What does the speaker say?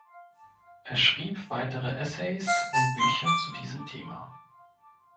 Er schrieb weitere Essays und Bücher zu diesem Thema.